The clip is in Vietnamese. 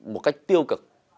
một cách tiêu cực